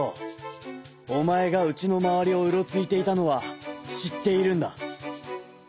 おまえがうちのまわりをうろついていたのはしっているんだ！」。